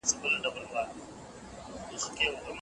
دا زموږ د هېواد تصویر دی.